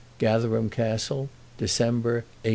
Gatherum Castle, December, 18